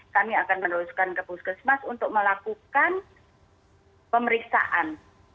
kami akan meneruskan ke puskesmas untuk melakukan pemeriksaan